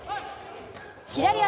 左足。